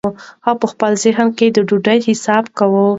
هغه په خپل ذهن کې د ډوډۍ حساب کاوه.